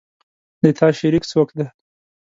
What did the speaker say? د تا شریک څوک ده